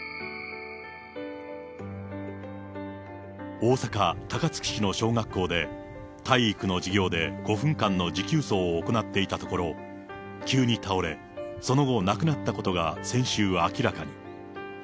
大阪・高槻市の小学校で、体育の授業で５分間の持久走を行っていたところ、急に倒れ、その後、亡くなったことが先週、明らかに。